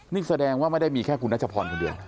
นี่แสดงว่าไม่ได้มีแค่คุณรัชพรคนเดียว